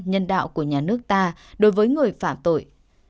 nhân đạo của nhà nước ta đối với người phạm tội